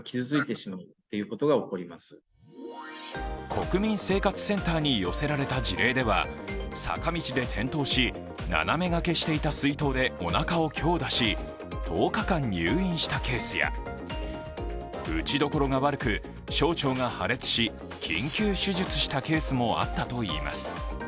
国民生活センターに寄せられた事例では坂道で転倒し斜めがけしていた水筒でおなかを強打し、１０日間入院したケースや打ち所が悪く、小腸が破裂し緊急手術したケースもあったといいます。